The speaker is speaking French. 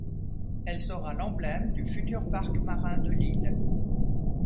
Elle sera l’emblème du futur parc marin de l'île.